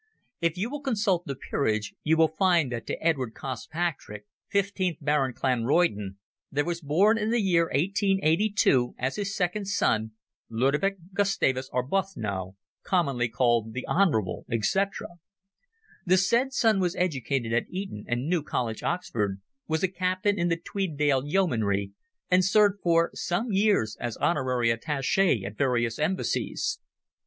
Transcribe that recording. If you will consult the Peerage you will find that to Edward Cospatrick, fifteenth Baron Clanroyden, there was born in the year 1882, as his second son, Ludovick Gustavus Arbuthnot, commonly called the Honourable, etc. The said son was educated at Eton and New College, Oxford, was a captain in the Tweeddale Yeomanry, and served for some years as honorary attache at various embassies.